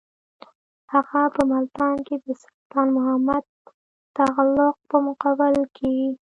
هغه په ملتان کې د سلطان محمد تغلق په مقابل کې.